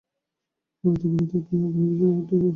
বলিতে বলিতে তিনি আগ্রহে বিছানায় উঠিয়া বসিলেন।